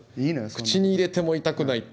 口に入れても痛くないって。